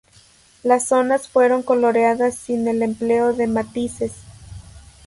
Las zonas fueron coloreadas sin el empleo de matices.